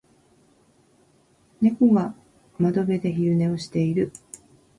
猫が窓辺で昼寝をしている。